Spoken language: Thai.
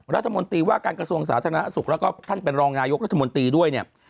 รัฐมนตรีว่าการกระทรวงสาธารณสุขแล้วก็ท่านเป็นรองนายกรัฐมนตรีด้วยเนี่ย